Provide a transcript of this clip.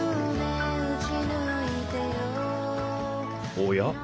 おや？